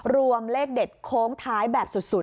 เลขเด็ดโค้งท้ายแบบสุด